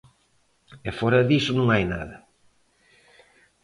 E fóra diso non hai nada.